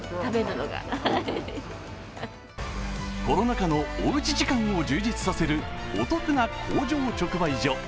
コロナ禍のおうち時間を充実させるお得な工場直売所。